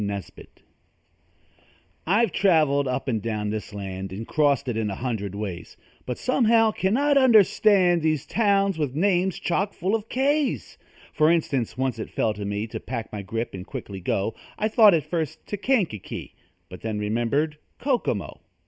NESBIT I've traveled up and down this land And crossed it in a hundred ways, But somehow can not understand These towns with names chock full of K's. For instance, once it fell to me To pack my grip and quickly go I thought at first to Kankakee But then remembered Kokomo.